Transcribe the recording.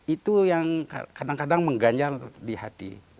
itu yang kadang kadang mengganjal di hati